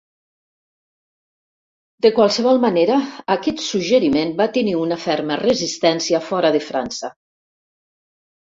De qualsevol manera, aquest suggeriment va tenir una ferma resistència fora de França.